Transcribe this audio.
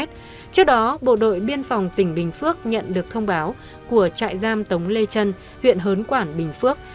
trước đó bộ đội biên phòng tỉnh bình phước nhận được thông báo của trại giam tống lê trân huyện hớn quản bình phước